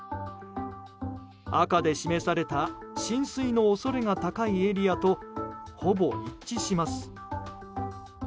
赤で示された浸水の恐れが高いエリアとほぼ一致します。